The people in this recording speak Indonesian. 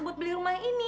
buat beli rumah ini